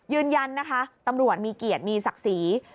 ยืนยันนะคะตำรวจมีเกียรติมีศักดิ์ศรี